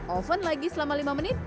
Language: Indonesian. oven lagi selama lima menit